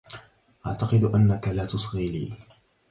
أعتقد انك لا تصغي لي.